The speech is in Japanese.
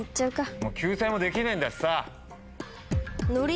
もう救済もできねえんだしさ。